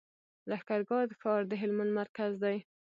لښکر ګاه ښار د هلمند مرکز دی.